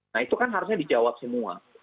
nah itu kan harusnya dijawab semua